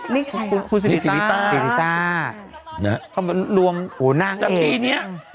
นี่ใครครับคุณสิริตาสิริตาน่ะเขามารวมโหนางเอกนางเอก